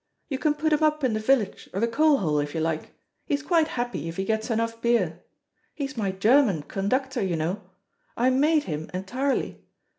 You can put him up in the village or the coal hole, if you like. He's quite happy if he gets enough beer. He's my German conductor, you know. I made him entirely.